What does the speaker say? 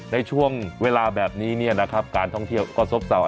ในช่วงเวลาแบบนี้การท่องเที่ยวก็ซบเศร้า